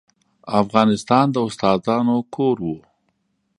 افغانستان د استادانو کور و.